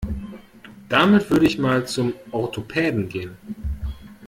Damit würde ich mal zum Orthopäden gehen.